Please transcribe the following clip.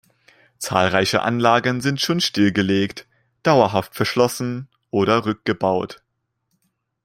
Zahlreiche Anlagen sind schon stillgelegt, dauerhaft verschlossen oder rückgebaut.